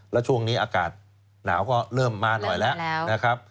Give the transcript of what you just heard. แล้วช่วงนี้อากาศหนาวก็เริ่มมาหน่อยละ